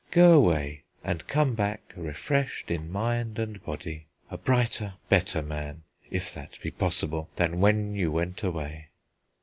Go away, and come back refreshed in mind and body, a brighter, better man if that be possible than when you went away."